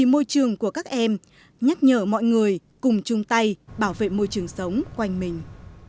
môi trường của các em nhắc nhở mọi người cùng chung tay bảo vệ môi trường sống quanh mình